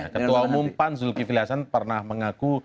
ketua umum pan zulkifli hasan pernah mengaku